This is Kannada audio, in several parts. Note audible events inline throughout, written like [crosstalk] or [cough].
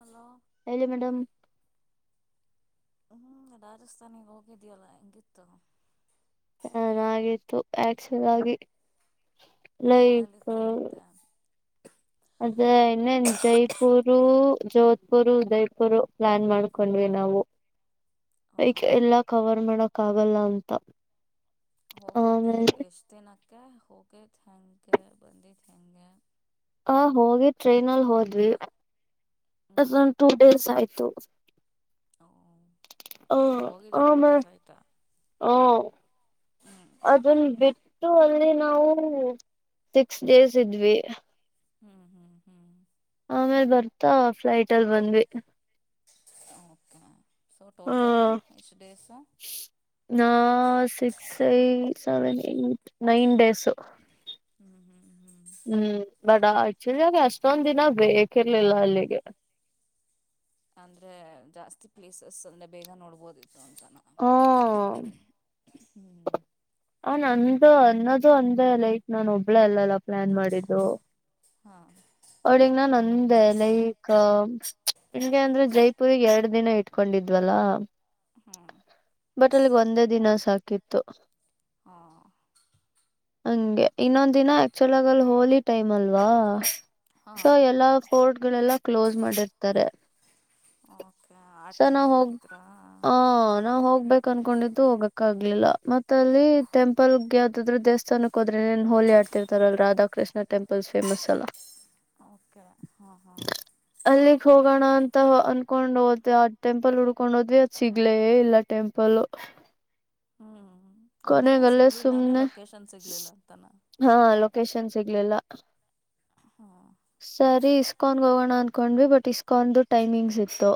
ಹಲೋ ಹೇಲಿ ಮೇಡಮ್ ಹ್ಮ್ ರಾಜಸ್ಥಾನಿಗ್ ಹೋಗಿದ್ಯಲ್ಲ ಹಂಗಿತ್ತು ಚನಾಗಿತ್ತು ಆಕ್ಚುಲ್ ಆಗಿ ಎಲ್ಲೆಲ್ಲಿಗೆ ಲೈಕು ಹೋಗಿದ್ದೆ ಅದೆ ಇನ್ನೇನ್ ಜೈಪುರು ಜೋಧ್ಪುರ್ ಉದಯ್ಪುರು ಪ್ಲಾನ್ ಮಾಡ್ಕೊಂಡ್ವಿ ನಾವು ಹ ಲೈಕ್ ಎಲ್ಲಾ ಕವರ್ ಮಾಡಕ್ ಆಗಲ್ಲ ಅಂತ ಹೋಗಿದ್ದ್ ಆಮೇಲೆ ಎಷ್ಟು ದಿನಕ್ಕೆ ಹೋಗಿದ್ದ್ ಹೆಂಗೆ ಬಂದಿದ್ ಹೆಂಗೆ ಹ ಹೋಗಿದ್ ಟ್ರೈನ್ ಅಲ್ಲಿ ಹೋದ್ವಿ ಹ್ಞೂ [unintelligible] ಟೂ ಡೇಸ್ ಆಯ್ತು ಹಾ ಆ ಹೋಗಿದ್ದೆ ಟೂ [unintelligible] ಡೇಸ್ ಆಯಿತಾ ಹಾ ಹ್ಞೂ ಅದನ್ ಬಿಟ್ಟು ಅಲ್ಲಿ ನಾವು ಸಿಕ್ಸ್ ಡೇಸ್ ಇದ್ವಿ ಹ್ಮ್ ಹ್ಮ್ ಹ್ಮ್ ಆಮೇಲ್ ಬರ್ತಾ ಫ್ಲೈಟ್ ಅಲ್ ಬಂದ್ವಿ ಓಕೆ ಸೊ ಹಾ ಟೋಟಲ್ಲು ಎಷ್ಟು ಡೇಸು ನಾ [unintelligible] ಸೆವೆನ್ ನೈನ್ ಡೇಸ್ ಹ್ಮ್ ಹ್ಮ್ ಬಡ ಆ ಚಾಗ ಅಷ್ಟೊಂದ ದಿನ ಬೇಕಿರ್ಲಿಲ್ಲ ಅಲ್ಲಿಗೆ ಅಂದ್ರೆ ಜಾಸ್ತಿ ಪ್ಲೇಸಸ್ ಅಂದ್ರೆ ಬೇಗ ನೋಡ್ಬೋದಿತ್ತು ಅಂತ ಹಾ ಹ್ಞೂ ಆ ನಂದು ಅನ್ನದು ಅಂದೆ ಲೈಟ್ ನಾನು ಒಬ್ಳ ಅಲ್ಲಲ್ಲ ಪ್ಲಾನ್ ಮಾಡಿದ್ದು ಹಾ ಅವಳಗ್ ನಾ ಒಂದೆ ಲೈಕ್ ನಿಂಗೆ ಅಂದ್ರೆ ಜೈಪುಗ್ ಎರಡ್ ದಿನ ಇಟ್ಕೊಂಡ ದ್ವಲ್ಲಾ ಹ್ಮ್ ಬಟ್ ಅಲ್ಲಿಗ್ ಒಂದೇ ದಿನ ಸಾಕಿತ್ತು ಹಾ ಹಂಗೆ ಇನ್ನೊಂದ ದಿನ ಆಕ್ಚುಲ್ ಆಗ ಅಲ್ಲಿ ಹೋಲಿಿ ಟೈಮ್ ಅಲ್ವಾ ಸೊ ಹಾಂ ಎಲ್ಲಾ ಪೋರ್ಟ್ ಗಳೆಲ್ಲ ಕ್ಲೋಸ್ ಮಾಡಿರ್ತಾರೆ ಓಕೆ ಆ ಸ ನಾ ಟೈಮಲ್ಲಿ ಹೋಗ್ ಹೋಗಿದ್ರಾ ಆ ನಾ್ ಹೋಗ್ಬೇಕ ಅನ್ಕೊಂಡಿದ್ದು ಹೋಗಕ್ಕಾಗ ಲಿಲ್ಲ ಮತ್ತ ಅಲ್ಲಿ ಟೆಂಪಲ್ಗೆ ಯಾವ್ದಾದ್ರೂ ದೇವಸ್ಥಾನಕ್ ಹೋದ್ರೆನ್ ಹೋಲಿಿ ಆಡ್ತಿರ್ತಾರ ರಾಧಾಕೃಷ್ಣ ಟೆಂಪಲ್ ಫೇಮಸ್ ಅಲ್ಲ ಓಕೆ ಹಾ ಹಾ ಅಲ್ಲಿಗ್ ಹೋಗೋಣ ಅಂತ ಅನ್ಕೊಂಡ್ ಹೋಗ್ ಆ ಟೆಂಪಲ್ ಹುಡ್ಕೊಂಡ್ ಹೋದ್ವಿ ಅದ್ ಸಿಗ್ಲೇ ಇಲ್ಲ ಟೆಂಪಲ್ ಹ್ಮ್ ಅಂದ್ರೆ ಕೊನೆಗಲ್ಲೇ ಸಿಗ್ಲಿಲ್ಲ ಅಂದ್ರೆ ಸುಮ್ನೆ ಲೊಕೇಶನ್ ಸಿಗ್ಲಿಲ್ಲ ಅಂತನ ಶನ್ನ್ ಸಿಗ್ಲಿಲ್ಲ ಹಾಂ ಸರಿ ಇಸ್ಕಾನ್ಗೆ ಹೋಗೋಣ ಅಂದಕೊಂಡ್ವಿ ಬಟ್ ಇಸ್ಕಾನ್ ಟೈಮಿಂಗ್ಸ್ ಇತ್ತು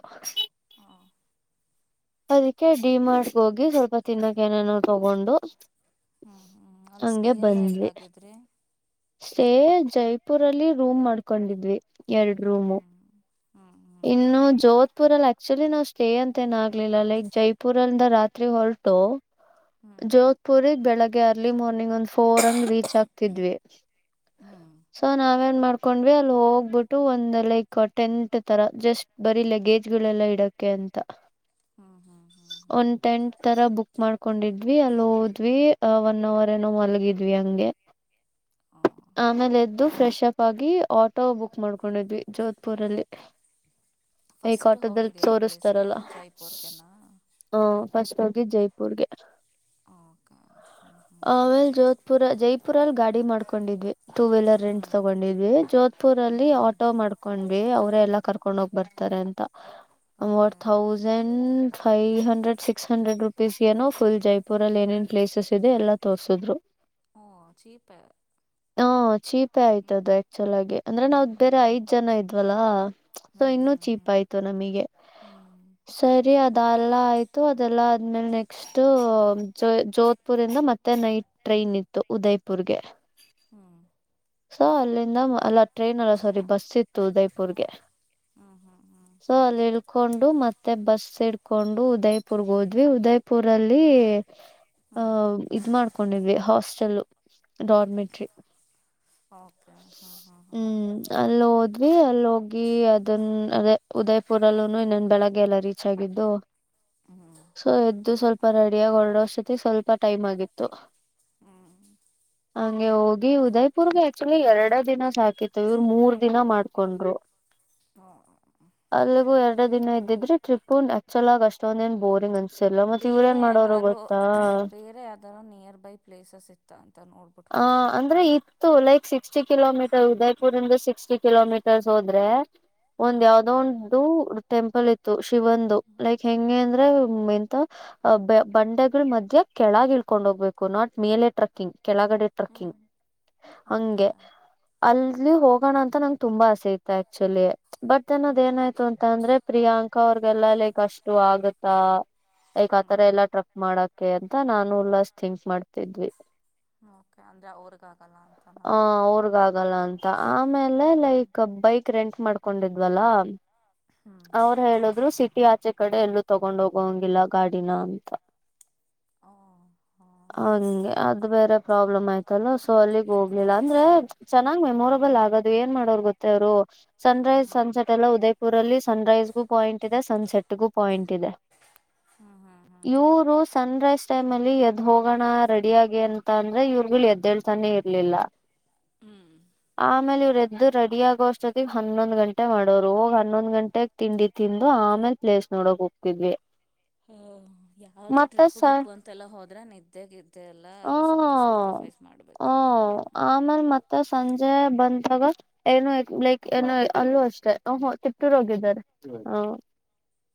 ಹಾಂ ಅದಕ್ಕೆ ಡಿ ಮಾರ್ಟ್ ಹೋಗಿ ಸ್ವಲ್ಪ ತಿನ್ನಕ ಏನೇನೋ ತಗೊಂಡು ಹ್ಮ್ ಹ್ಮ್ ಅಲ್ಲಿ ಸ್ಟೇ ಹಂಗೆ ಅಲ್ಲ ಬಂದ್ವಿ ಎಲ್ಲಗಿದ್ರೆ ಸ್ಟೇ ಜೈಪುರಲ್ಲಿ ರೂಮ್ ಮಾಡ್ಕೊಂಡಿದ್ವಿ ಎರಡು ಹ್ಞೂ ರೂಮು ಹ್ಞೂ ಇನ್ನು ಜೋತ್ ಪುರಲ್ಲಿ ಆಕ್ಚುಲಿ ನಾವ್ ಸ್ಟೇ ಅಂತ ಏನ ಆಗ್ಲಿಲ್ಲ ಲೈಕ್ ಜೈಪುರಂದ ರಾತ್ರಿ ಹೊಲ್ಟು ಹ್ಞೂ ಹ್ಞೂ ಜೋಧ್ಪುರ್ಗ್ ಬೆಳಗ್ಗೆ ಅರ್ಲಿ ಮಾರ್ನಿಂಗ್ ಒಂದ್ ಫೋರ್ ಹಂಗ ರೀಚ್ ಆಗ್ತಿದ್ವಿ ಹ್ಮ ಸೊ ನಾವ ಏನ್ ಮಾಡ್ಕೊಂಡ್ವಿ ಅಲ್ಲಿ ಹೋಗ್ಬಿಟ್ಟು ಒಂದ್ ಲೈಕ್ ಟೆಂಟ್ ತರ ಜಸ್ಟ್ ಬರೀ ಲಗೇಜ್ ಅ ಮಾಡೋಕೆ ಹ್ಞೂ ಹ್ಞೂ ಹ್ಞೂ ಹ್ಞೂ ಒಂದ್ ಟೆಂಟ್ ತರ ಬುಕ್ ಮಾಡ್ಕೊಂಡ್ ಕೊಂಡಿದ್ವಿ ಅಲ್ಲಿ ಹೋದ್ವಿ ಒನ್ ಅವರ್ ಏನೋ ಮಲಗಿದ್ವಿ ಹಂಗೆ ಹಾಂ ಆಮೇಲೆ ಎದ್ದು ಫ್ರೆಶ್ ಅಪ್ ಆಗಿ ಆಟೋ ಬುಕ್ ಮಾಡ್ಕೊಂಡಿದ್ವಿ ಜೋಧ್ಪುರ್ಲ್ಲಿ ಏಕ್ ಫಸ್ಟ್ ಆಟದಲ್ಲಿ ಹೋಗಿದ್ದು ಯಾವ ಪ್ಲೇಸ್ಗೆ ತೋಸ್್ತಾರಲ್ಲ ಜೈಪುರ್ಗೆನಾ ಹ ಫಸ್ ಜೈಪುರ್ಗೆ ಓಕೆ ಹ್ಞೂ ಹ್ಞೂ ಹ್ಞೂ ಆಮೇಲೆ ಹ್ಞೂ ಜೋಧ್ಪುರ ಜೈಪುರ್ ಅಲ್ಲಿ ಗಾಡಿ ಮಾಡ್ಕೊಂಡಿದ್ವಿ ಟೂ ವೀಲರ್ ರೆಂಟ್ ತಗೊಂಡಿದ್ವಿ ಜೋಧ್ಪುರ್ ಹ್ಞೂ ಅಲ್ಲಿ ಹ್ಞೂ ಹ್ಞೂ ಆಟೋ ಮಾಡ್ಕೊಂಡ್ವಿ ಅವ್ರೇ ಎಲ್ಲಾ ಕರ್ಕೊಂಡ ಹೋಗ್ ಬರ್ತಾರೆ ಅಂತ ಮೂರ್ okay ಸಂಡ್ five hundred six hundred rupees ಗೆ ಏನೋ ಫುಲ್ ಜೈಪುರಲ್ಲಿ ಏನೇನ್ ಪ್ಲೇಸಸ್ ಇದೆ ಎಲ್ಲ ತೋರ್ಸಿದ್ರು ಓ ಚೀಪೆ ಹ ಚಿಪ್ ಚಪ್ಪೆ ಹ್ಮ್ ಆಯ್ತದು ಆಕ್ಚುಲ್ ಆಗಿ ಅಂದ್ರೆ ಹ್ಮ್ ನಾವವು್ ಬೇರೆ ಹ್ಮ್ ಐದ್ ಜನ ಇದ್ಲ್ಲಾ ಸೊ ಹ್ಮ್ ಹ್ಮ್ ಇನ್ನುೂ ಹ್ಮ್ ಚೀಪ್ ಆಯ್ತು ನ ನ ಹ್ಮ್ ಹ್ಮ್ ಸರಿ ಅದೆಲ್ಲ ಆಯ್ತು ಅದೆಲ್ಲಾ ಆದ್ಮೇಲೆ ನೆಕ್ಸ್ಟ್ ತು ಜೋಧ್ಪುರ್ ಇಂದ ಮತ್ತೆ ನೈಟ್ ಟ್ರೈನ್ ಇತ್ತು ಉದಯ್ಪುರ್ಗೆ ಹ್ಮ ಸೊ ಅಲ್ಲಿಂದ ಅಲ್ಲ ಟ್ರೈನ್ ಅಲ್ಲ ಸಾರಿ ಬಸ್ ಇತ್ತು ಉದಯಪುರ್ಗೆ ಹ್ಮ್ ಹ್ಮ್ ಹ್ಮ್ ಸೊ ಅಲ್ಲಿ ಹಕೊಂಡು ಮತ್ತೆ ಬಸ್ ಇಡ್ಕೊಂಡು ಉದಯ್ಪುರ್ಗೆ ಹೋದ್ವಿ ಉದಯ್ಪುರಲ್ಲಿ ಹ್ಮ್ ಅಹ ಇದ್ ಮಾಡ್ಕೊಂಡಿವ್ವಿ ಹಾಸ್ಟೆಲ್ಲ ಡಾರ್ಮೆಟ್ರಿ ಓಕೆ ಹಾ ಹಾ ಹಾ ಹ್ಮ್ ಅಲ್ಲಿ ಹೋದ್ವಿ ಅಲ್ಲಿ ಹೋಗಿ ಅದನ್ನ ಅದೇ ಉದಯ್ಪುರಲ್ಲೂ ಇನ್ನೊಂದು ಬೆಳಗ್ಗೆ ಎಲ್ಲ ರೀಚ್ ಆಗಿದ್ದು ಹ್ಮ್ ಸೊ ಎದ್ದು ಸ್ವಲ್ಪ ಸ್ವಲ್ಪ ರೆಡಿಯಾಗಿ ಹೊರಡೋಷ್ಟತಿಗೆ ಸ್ವಲ್ಪ ಟೈಮ್ ಆಗಿತ್ತು ಹ್ಮ್ ಹಂಗೆ ಹೋಗಿ ಉದಯ್ಪುರ್ಗೆ ಆ [unintelligible] ಆಕ್ಚುಲಿ ಎರಡ ದಿನ ಸಾಕಿತ್ ಇವ್ರ ಮೂರ್ ದಿನ ಮಾಡ್ಕೊಂಡ್ರು ಹ್ಮ [unintelligible] ದಿನ ಇದ್ದಿದ್ರು ಟ್ರಿಪ್ ಅಕ್ಚುಲ್ ಆಗ ಅಷ್ಟೊಂದ ಏನ್ ಬೋರಿಂಗ್ ಅಂತ ಬೇರೆ ಏನಾರೂ ಬೇರೆ ಯಾದಾರೂ ನಿಯರ್ ಬೈ ಪ್ಲೇಸಸ್ ಇತ್ತ ನೋಡ್ಬಿಟ್ಟು ಆ ಅಂದ್ರೆ ಹೋಗ್ಬೋದಿತ್ತಲ್ವ ಇತ್ತು ಲೈಕ್ ಸಿಕ್ಸ್ಟಿ ಕಿಲೋಮೀಟರ್ [unintelligible] ಉದೈಪುರ್ ಇಂದ ಸಿಕ್ಸ್ಟಿ ಕಿಲೋಮೀಟರ್ಸ್ ಹೋದ್ರೆ ಒಂದ್ ಹ್ಮ್ ಯಾವದೋ ಒಂದು ಟೆಂಪಲ್ ಇತ್ತು ಒಂದು ಲೈಕ್ ಎಂಗೆ ಅಂದ್ರೆ ಹ್ಮ್ [unintelligible] ಎಂತ ಬಂಡೆಗಳ ಮಧ್ಯ ಕೆಳಗ ಇಳ್ಕೊಂಡ್ ಹೋಗ್ಬೇಕು ನಾಟ್ ಮೇಲೆ ಟ್ರಕ್ಕಿಂಗ್ ಕೆಳಗಡೆ ಹ್ಮ್ ಟ್ರಕ್ಕಿಂಗ್ ಹಂಗೆ ಓಕೆ ಅಲ್ಲಿ ಹೋಗ ಹೋಗೋಣ ಅಂತ ನಂಗೆ ತುಂಬಾ ಆಸೆ ಇತೆ ಆಕ್ಚುಲಿ ಬಟ್ ನನ್ನದ ಏನಾಯ್ತು ಅಂತ ಅಂದ್ರೆ ಪ್ರಿಯಾಂಕ ಅಕ್ಕ ಅವ್ರಗೆಲ್ಲಾ ಲೈಕ್ ಅಷ್ಟು ಆಗತ್ತಾ ಲೈಕ್ ಆತರ ಎಲ್ಲಾ ಟ್ರಕ್ ಮಾಡಕ್ಕೆ ಅಂತ ನಾ [unintelligible] ಥಿಂಕ್ ಮಾಡ್ತಿದ್ವಿ ಹ್ಮ್ ಓಕೆ ಅಂದ್ರೆ ಅವ್ರುಗ ಆ ಅವರ್ಗ ಆಗಲ್ಲ ಅಂತ ಆಮೇಲೆ ಹ್ಮ್ ಲೈಕ್ ಬೈಕ್ ರೆಂಟ್ ಮಾಡ್ಕೊಂಡಿದ್ವಲ್ಲ [inaudible] ಅವರು ಹೇಳಿದ್ರು ಸಿಟಿ ಆಚೆ ಕಡೆ ಎಲ್ಲೂ ತಗೊಂಡೋಗಂಗಿಲ್ಲ ಗಾಡಿನ ಅಂತ ಓ ಹಾ ಹಂಗೆ ಅದು ಬೇರೆ ಪ್ರಾಬ್ಲಮ್ ಆಯ್ತಲ್ಲ ಸೊ ಅಲ್ಲಿ ಹೋಗ್ಲಿಲ್ಲ ಅಂದ್ರೆ ಚೆನ್ನಾಗ್ ಮೆಮೊರಬಲ್ ಆಗೋದು ಏನ್ ಮಾಡೋರ್ ಗೊತ್ತೇವ್ರು ಸನ್ ರೈಸ್ ಹ್ಮ್ ಸನ್ಸೆಟ್ ಎಲ್ಲ ಉದೈಪುರಲ್ಲಿ ಸನ್ ರೈಸ್ಗೂ ಪಾಯಿಂಟ್ ಇದೆ ಸನ್ಸೆಟ್ಗೂ ಪಾಯಿಂಟ್ ಇದೆ [inaudible] ಹ್ಮ್ ಇವ್ರು ಸನ್ ರೈಸ್ ಟೈಮ್ ಅಲ್ಲಿ ಎದ್ದ್ ಹೋಗೋಣ ರೆಡಿ ಆಗಿ ಅಂತ ಅಂದ್ರೆ ಇವ್ರುಗಳು ಎದ್ದೇಳ್ತಾನೆ ಇರ್ಲಿಲ್ಲ ಹ್ಮ್ ಆಮೇಲೆ ಇವ್ರ ಎದ್ದ್ ರೆಡಿ ಆಗೋ ಅಷ್ಟೊತ್ತಗ್ ಹನ್ನೊಂದ್ ಗಂಟೆ ಮಾಡೋರು ಹೋಗ್ ಹನ್ನೊಂದ್ ಗಂಟೆಗೆ ತಿಂಡಿ ತಿಂದು ಆಮೇಲೆ ಪ್ಲೇಸ್ ನೋಡಕ್ಕೆ ಹೋಗ್ತಿದ್ವಿ ಹ್ಮ್ ಯಾವುದು ಮತ್ತೆ ಟ್ರಿಪ್ಪು ಸ ಗಿಪ್ಪು ಅಂತೆಲ್ಲ ಹೋದ್ರೆ ನಿದ್ದೆ ಗಿದ್ದೆ ಎಲ್ಲ ಸ್ವಲ್ಪ ಸ್ಯಾಕ್ರಿಫೈಸ್ ಮಾಡಬೇಕು ಹ ಆಮೇಲೆ ಮತ್ತೆ ಸಂಜೆ ಬಂದಾಗ ಏನು ಲೈಕ್ ಏನು ಅಲ್ಲೂ ಅಷ್ಟೆ ಹಹೋ ತಿಪಟ್ಟೂರ್ ಹೋಗಿದ್ದಾರೆ ಆ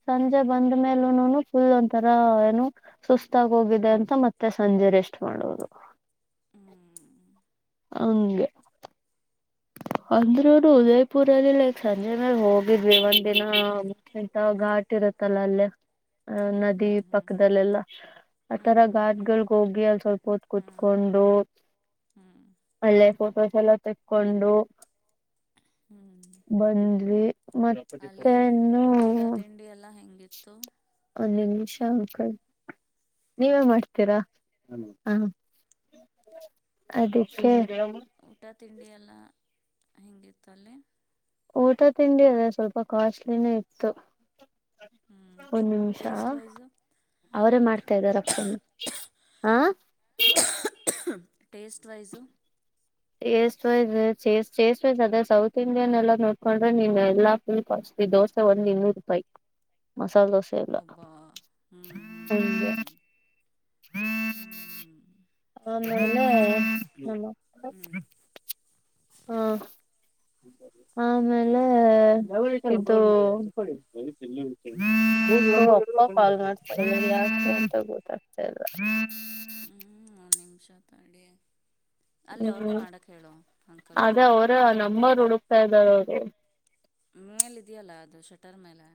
ಸಂಜೆ ಹ್ಮ್ ಬಂದ ಮೇಲುನು ಫುಲ್ ಒಂಥರ ಏನು ಸುಸ್ತಾಗಿ ಹೋಗಿದೆ ಅಂತ ಮತ್ತೆ ಸಂಜೆ ರೆಸ್ಟ್ ಮಾಡೋರು ಹ್ಮ್ ಹಂಗೆ [inaudible] ಅಂದ್ರೂರು ಉದೈಪುರಲ್ಲಿ ಲೈಕ್ ಸಂಜೆನೆ ಹೋಗಿದ್ವಿ ಒಂದ್ ದಿನ ಇಂತ ಘಾಟ್ ಇರುತ್ತಲ್ಲ ಅಲ್ಲೇ ಅ ಹ್ಮ್ ಹ್ಮ್ ಹ್ಮ್ ನದಿ ಹ್ಮ್ ಪಕ್ಕದಲ್ಲೆಲ್ಲ ಆತರ ಹ್ಮ್ ಘಾಟ್ಗಳ ಹೋಗಿ ಅಲ್ಲಿ ಸ್ವಲ್ಪ ಹೊತ್ ಹ್ಮ್ ಕೂತ್ಕೊಂಡು ಹ್ಮ್ ಅಲ್ಲೇ ಫೋಟೋಸ್ ಎಲ್ಲ ತೆಕ್ಕೊಂಡು [inaudible] ಬಂದ್ವಿ ಅಲ್ಲಿ ಮತ್ತೆನು ಊಟ ತಿಂಡಿ ಎಲ್ಲ ಹೆಂಗಿತ್ತು ಒಂದ್ ನಿಮಿಷ ಅಂಕಲ್ ನೀವೇ ಮಾಡ್ತೀರಾ ಹ [inaudible] ಅದಕ್ಕೆ ತಿಂಡಿಯ ಎಲ್ಲ ಹೆಂಗಿತ್ತು ಅಲ್ಲಿ ಊಟ ತಿಂಡಿ ಅದೇ ಸ್ವಲ್ಪ ಕಾಸ್ಟ್ಲಿನೇ ಇತ್ತು ಹ್ಮ್ ಒಂದ್ ನಿಮಿಷ ಟೇಸ್ಟ್ ವೈಸ್ ಅವರೇ ಮಾಡ್ತಾ ಇದ್ದಾರಪ್ಪ ಹಾ taste wise chest wise chase chase wise ಅದೇ ಸೌತ್ ಇಂಡಿಯನ್ ಎಲ್ಲಾ ನೋಡ್ಕೊಂಡ್ರೆ ನಿನ್ ಎಲ್ಲಾ ಫುಲ್ ಕತ [unintelligible] ದೋಸೆ ಒಂದ ಇನ್ನೂರು ರೂಪಾಯಿ ಮಸಾಲೆ ದೋಸೆ ಸರಿಲ್ಲ ಒಬ್ಬ ಹ್ಞೂ [unintelligible] ಹ್ಮ್ [unintelligible] ಅ ನೆನ್ನೆ ಹ್ಞೂ [unintelligible] ಹ್ಞೂ ಆಮೇಲೆ ಇದ್ [inaudible] ಲ್ ಗೊತ್ತ [unintelligible] [unintelligible] [unintelligible] ಹ್ಮ್ ಒಂದ್ ನಿಮಿಷ ತಡಿ ಅಲ್ಲಿ ಅವ್ರಿಗೆ ಹ್ಮ್ ಮಾಡೋಕ್ಕೆ ಹೇಳು ಅಂಕಲ್ಗೆ ಅದೇ ಅವರ ನಮ್ಮರು ಹುಡುಕ್ತಾ ಇದ್ದಾರ ಅವರು ಮೇಲ್ ಇದೆಯಲ್ಲ ಅದು ಶಟರ್ ಮೇಲೆ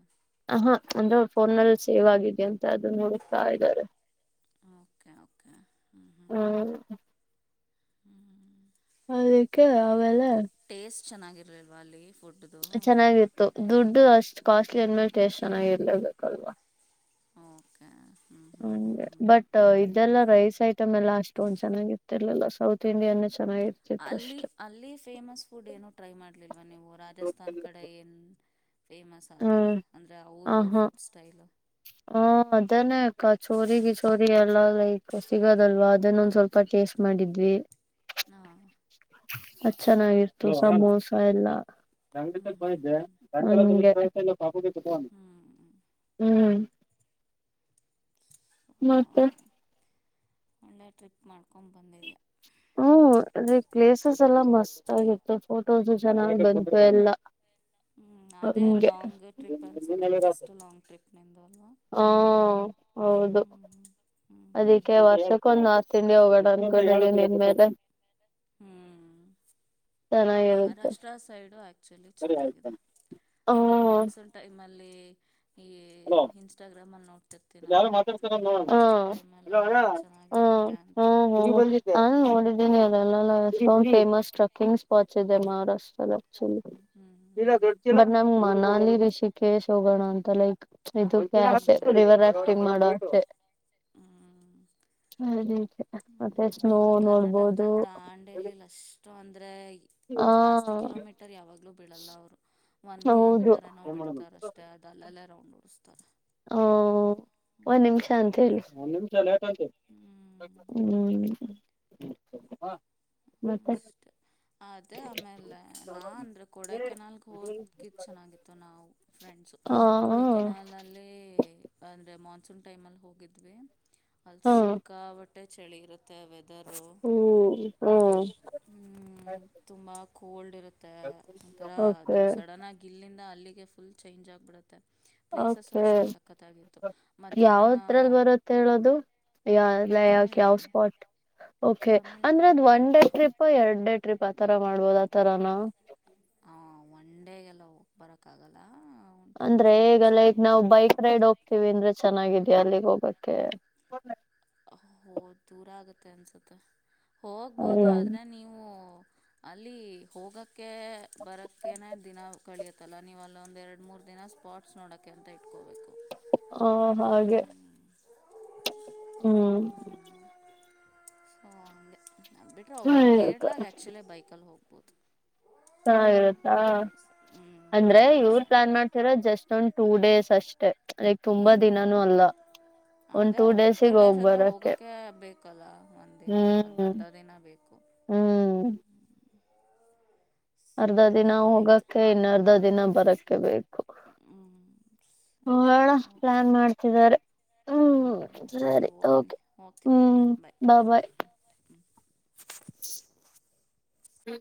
ಹ ಹಾ ಒಂದ್ರೆ ಫೋನ್ಲ್ಲಿ ಸೇವ್ ಆಗಿದೆ ಅಂತ ಅದು ನೋಡತಾ ಇದ್ದಾರೆ ಓಕೆ ಓಕೆ ಹ್ಮ್ ಹ್ಮ್್ಮ್್ಮ [unintelligible] ಅದಕ್ಕೆ ಅಮೇಲೆ ಚೆನ್ನಾಗಿರಲಿಲ್ವ ಅಲ್ಲಿ ಫುಡ್ದು ಚೆನ್ನಾಗಿತ್ತು ದುಡ್ಡು ಅಷ್ಟ್ ಕಾಸ್ಟ್ಲಿ ಅಂದ್ಮೇಲೆ ಟೇಸ್ಟ್ ಚೆನ್ನಾಗಿರ್ಲೇಬೇಕಲ್ವಾ ಓಕೆ ಹ್ಞೂ ಹ್ಞೂ ಹ್ಞೂ ಹಗೆ ಹ್ಞೂ ಬಟ್ ಇದೆಲ್ಲಾ ರೈಸ್ ಐಟಮ್ ಎಲ್ಲಾ ಅಷ್ಟು ಒಂದ್ ಚೆನ್ನಾಗಿರ್ತಿರ್ಲಲ್ಲ ಸೌತ್ ಇಂಡಿಯನ್ ಚೆನ್ನಾಗಿರ್ತಿತ್ತು ಅಲ್ಲಿ ಅಷ್ಟೆ ಅಲ್ಲಿ ಫೇಮಸ್ ಫುಡ್ ಏನೂ ಟ್ರೈ ಮಾಡ್ಲಿಲ್ಲ ಇ ನೀವು ರಾಜಸ್ಥಾನ್ ಕಡೆ ಏನ್ ಫೇಮಸ್ ಆ ಥರ ಹ್ಮ್ ಅಂದರೆ ಅವರು ಫುಡ್ ಸ್ಟೈಲು ಹ್ಮ ಅದನೇ ಕಚೋರಿ ಗಿಚೋರಿ ಎಲ್ಲ ಲೈಕ್ ಸಿಗೋದಲ್ವಾ ಅದನ್ನೊಂದ್ ಸ್ವಲ್ಪ ಟೇ ಯಶ ಮಾಡಿದ್ವಿ ಹಾ ಚೆನ್ನಾಗಿರ್ತ ಸಮೋಸ ಎಲ್ಲ ಹ್ಮ್ ಹ್ಮ್ ಹ್ಮ್ ಲ್ಲಾಪ [unintelligible] ಹ್ಮ್ ಹ್ಮ್ ಮತ್ತೆ ಒಳ್ಳೆ ಟ್ರಿಪ್ ಮಾಡು ಹ್ಮ್ ಅದೇ ಪ್ಲೇಸಸ್ ಎಲ್ಲ ಮಸ್ತ್ ಆಗಿತ್ತು ಫೋಟೋಸ್ ಚೆನ್ನಾಗಿ್ ಬಂತು ಹ್ಮ್ ಎಲ್ಲ ಹ್ಮ್ ಅದೇ ಹಂಗೆ ಲಾಂಗ್ ಟ್ರಿಪ್ ಅನ್ಸುತ್ತೆ ಫಸ್ಟ್ ಲಾಂಗ್ ಟ್ರಿಪ್ ನಿಂದು ಅಲ್ವಾ ಹಾ ಹೌದು ಹ್ಮ್ ಹ್ಮ್ ಹ್ಮ್ ಹ್ಮ್ ಅದಿಕ್ಕೆ ಹ್ಮ್ ಹ್ಮ್ ವರ್ಷಕ್ಕೊಂದು ಆಸ್ ತಿಂಡಿ ಹೋಗ ಬ ನಿನ್ ಮೇಲೆ [unintelligible] [unintelligible] ಹ್ಮ್ ಚೆನ್ನಾಗಿರುತ್ತೆ ಮಹಾರಾಷ್ಟ್ರ ಸೈಡು ಆಕ್ಚುಲಿ ಚೆನ್ನಾಗಿದೆ ಹ ಅಂದ್ರೆ ಮಾನ್ಸೂನ್ ಟೈಮ್ ಅ ಇ ಇನ್ಸ್ಟಾಗ್ರಾಮ್ ಅಲ್ಲಿ ನೋಡ್ತಿರ್ತೀನಲ್ಲ ಮಾನ್ಸೂನ್ ಹ ಟೈಮ್ ಅಲ್ಲ ಎಲ್ಲ ಚೆನ್ನಾಗಿರುತ್ತೆ ಅ ಹ್ಮ ಹೋಗ ನ ನೋಡಿದ್ದೀನಿ ಅದೆಲ್ಲಲ್ಲ ೇಮಸ್ ್ರೆಕಿಂಗ ಸ್ಪೋಟ್ ಮಹಾರಾಷ್ಟ್ರದಲ್ಲಿ ಹ್ಞೂ ಹ್ಞೂ ಮ ನಮ್ ಮನಾಲ ರಿಷಿಕೇಶ್ ಹೋಗೋಣ ಅಂತ ಲೈಕ್ ಇೆ ತುಂಬಾ ಅಸೆ ರಿವರ್ ಹ್ಞೂ ರಾಫ್ಟಿಂಗ್ ಹಾಂ ಮಾಡುವಷ್ಟೆ ಹ್ಞೂ ಹ್ಮ ರಿ ಹ್ಮ್ ಇಲ್ಲಿ ಕರ್ನಾಟಕಲ್ ದಾಂಡೆಲಿ ಅಷ್ಟು ಅಂದ್ರೆ ಆ ಜಾಸ್ತಿ ಕಿಲೋಮೀಟರ್ ಯಾವಾಗ್ಲೂ ಬೀಳಲ್ಲ ಅವರು ಒನ್ ಹೌದು ಕಿಲೋಮೀಟರ್ ಏನೋ ಬಿಡ್ತಾರೆ ಅಷ್ಟೇ ಅದು ಅಲ್ಲಲ್ಲೇ ರೌಂಡ್ ಓಡಿಸ್ತಾರೆ ಹ ಒಂದ್ ಹ್ಮ್ ನಿಮಿಷ ಅಂತ ಹೇಳಿ ಹ್ಮ್ ನಿ ಹ್ಮ್ ಮತ್ತೆ ಅಷ್ಟೆ ಅದೇ ಆಮೇಲೆ ನಾ ಅಂದ್ರೆ ಕೊಡ ಕೆೆನಾಲ್ಗೆ ಹೋದ್ಕ ಚನ್ನಾಗಿತ್ತು ನಾವು ಫ್ರೆಂಡ್ಸ ಹ ಹ ಕೊಡಕೆೆನಾಲ್ಲ್ಲಿ ಅಂದ್ರೆ ಮಾನ್ಸೂನ್ ಟೈಮ್ ಅಲ್ಲಿ ಹೋಗಿದ್ವಿ ಹ್ಮ್ ಅಲ್ಲಿ ಹ್ಮ್ ಸಿಕ್ಕಾಪಟ್ಟೆ ಚಳಿ ಇರುತ್ತೆ ವೆದರು ಹ್ಮ ಹಾ ಹ ತುಂಬ ಕೋಲ್ಡ್ ಇರುತ್ತೆ ಒಂಥರ ಅದು ಓಕೆ ಸಡನ್ ಆಾಗಿ ಇಲ್ಲಿಂದ ಅಲ್ಲಿಗೆ ಫುಲ್ ಚೇಂಜ್ ಆಗ್ಬಿಡುತ್ತೆ ಪ್ಲೇಸಸ್ಸು ಓಕೆ ಅಷ್ಟೇ ಸಖತ್ತಾಗಿತ್ತು ಮಧ್ಯಾಹ್ನ ಯ ಲಯಾಕ್ ಯಾವ ತಮಿಳ್ನಾಡು ಸ್ಪಾಟ್ ಓಕೆ ಅಂದ್ರೆ ಅದು ತಮಿಳ್ನಾಡಲ್ಲಿ ಒನ್ ಬರು ಡೇ ಟ್ರಿಪ್ ಅಪ್ಪ ಎರಡೇ ಟ್ರಿಪ್ ಆತರ ಮಾಡ್ಬೋದು ಆತರಾನ ಬರಕ್ಕಗಲ್ಲ ಅಂದ್ರೆ ಈಗ ಲೈಕ್ ನಾವವು ಬೈಕ್ ರೈಡ್ ಹೋಗ್ತೀವಿ ಅಂದ್ರೆ ಚೆನ್ನಾಗಿದ್ಯಾ ಅಲ್ಲಿಗ್ ಹೋಗ ಓಕೆ ಹೋ ದೂರ ಆಗತ್ತೆ ಅನ್ಸುತ್ತೆ ಹೋಗ್ಬೋದು ಹ್ಮ್ ಆದ್ರೆ ನೀವು ಅಲ್ಲಿ ಹೋಗಕ್ಕೆ ಬರಕ್ಕನೆ ದಿನ ಕಳಿಯತ್ತಲ್ಲ ನೀವು ಅಲ್ಲ ಒಂದುೆರಡು ಮೂರು ದಿನ ಸ್ಪಾಟ್ಸ್ ನೋಡೋಕ್ಕೆ ಅಂತ ಇಟ್ಕೋಬೇಕು ಹಾ ಹಾಗೆ ಹ್ಮ್ ಹ್ಮ ಸ ನಮ್ ಬಿಟ್ರ ಹೋಗ್ಬೋ ಕೇಳಲಾಗ ಆಕ್ಚುಲಿ ಬೈಲ್ಲಿ ಹೋಗಿ ಚನ್ನಾಗಿರುತ್ತಾ ಕೇರಳ ಸೈಡ್ ಹ್ಞೂ ಅಂದ್ರೆ ಕೇರಳ ಇವ್ರ ಸೈಡ್ ಪ್ಲಾನ್ ಮಾಡ್ತಿರೋ ಜಸ್ಟ್ ಒಂದು್ ಟೂ ಡೇಸ್ ಅಷ್ಟೆ ಅದಕ್ ತುಂಬಾ ಹ್ಞೂ ದಿನಾನೂ ಅಲ್ಲ ಒಂದ್ ಅದೇ ಟೂ ಡೇಸಿಗೆ ಹೋಗ್ ಬರಕ್ಕೆ ಕಲ ಒಂದ್ ದಿನ ಹ್ಮ್ ಅದ್ರ್ಧ ದಿನ ಬೇಕು ಹ್ಮ್ ಅರ್ಧ ದಿನ ಸರಿ ಆಯಿತು ಹೋಗಕ್ಕೆ ಇನ್ನ ಅರ್ಧ ದಿನ ಬರಕ್ಕೆ ಬೇಕು ಹ್ಮ್ ಹ ಪ್ಲಾನ್ ಮಾಡ್ತಿದಿದ್ದಾರೆ ಹ್ಞೂ ಸರಿ ಹಓ ಬನ್ನಿ ಓಕೆ ಹ್ಞೂ ಬಾಯ್ ಹ್ ಹ್ಞೂ [inaudible]